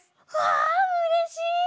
あうれしい！